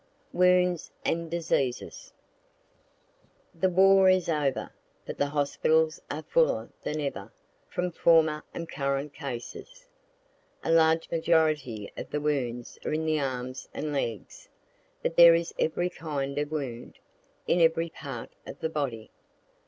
WOUNDS AND DISEASES The war is over, but the hospitals are fuller than ever, from former and current cases. A large' majority of the wounds are in the arms and legs. But there is every kind of wound, in every part of the body.